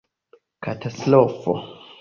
katastrofo